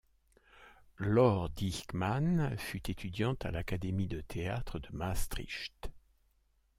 Lore Dijkman fut étudiante à l'Académie de théâtre de Maastricht.